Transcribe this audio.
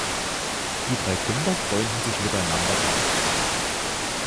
Die drei Kinder freunden sich miteinander an.